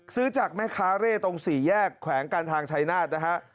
ซื้อจากแม่ค้าเร่ตรงสี่แยกแขวงการทางชายนาฏนะฮะ